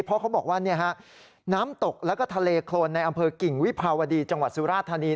เพราะเขาบอกว่าน้ำตกแล้วก็ทะเลโครนในอำเภอกิ่งวิภาวดีจังหวัดสุราธานี